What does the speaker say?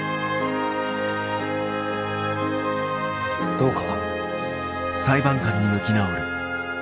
どうか。